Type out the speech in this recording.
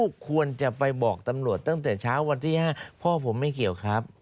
ควรจะไปบอกตำรวจตั้งแต่เช้าวันที่๕พ่อผมไม่เกี่ยวครับ